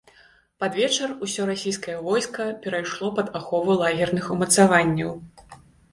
Пад вечар усё расійскае войска перайшло пад ахову лагерных умацаванняў.